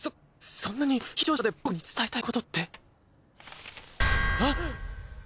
そんなに緊張してまで僕に伝えたいことって？あっ！？